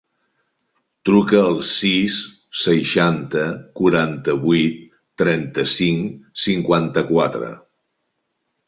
Truca al sis, seixanta, quaranta-vuit, trenta-cinc, cinquanta-quatre.